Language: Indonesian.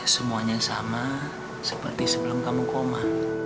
semuanya sama seperti sebelum kamu koma